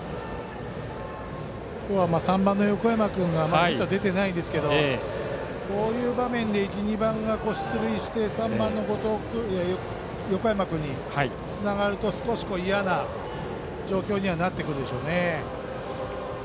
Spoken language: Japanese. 今日は３番の横山君ヒットは出ていませんがこういう場面で１、２番が出塁して３番の横山君につながると少し嫌な状況になってくるでしょうね。